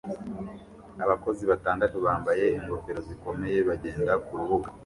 Abakozi batandatu bambaye ingofero zikomeye bagenda kurubuga